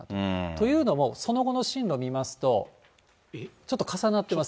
というのも、その後の進路見ますと、ちょっと重なってます。